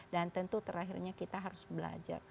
dan tentu terakhirnya kita harus belajar